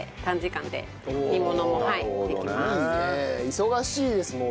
忙しいですもんね